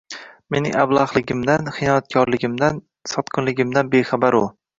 Mening ablahligimdan, xiyonatkorligimdan, sotqinligimdan bexabar u